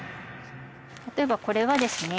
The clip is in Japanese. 例えばこれはですね